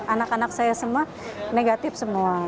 anak anak saya semua negatif semua